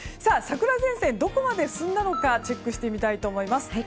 桜前線どこまで進んだのかチェックしてみたいと思います。